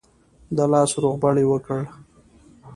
د لاس روغبړ یې وکړ.